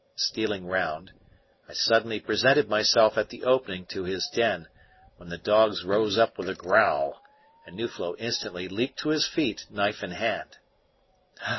Stealing round, I suddenly presented myself at the opening to his den, when the dogs rose up with a growl and Nuflo instantly leaped to his feet, knife in hand.